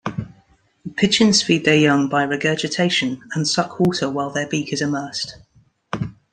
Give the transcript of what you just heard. Pigeons feed their young by regurgitation and suck water while their beak is immersed.